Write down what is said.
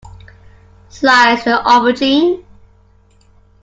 Slice the aubergine.